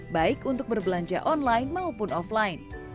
baik untuk berbelanja online maupun offline